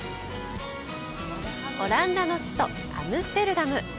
オランダの首都、アムステルダム。